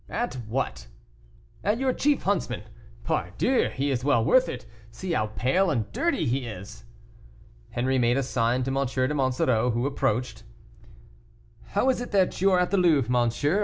"At what?" "At your chief huntsman; pardieu, he is well worth it. See how pale and dirty he is!" Henri made a sign to M. de Monsoreau, who approached. "How is it that you are at the Louvre, monsieur?